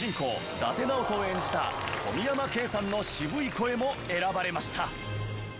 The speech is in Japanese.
伊達直人を演じた富山敬さんの渋い声も選ばれました。